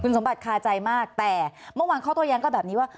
สมบัติคาใจมากแต่เมื่อวานข้อโต้แย้งก็แบบนี้ว่า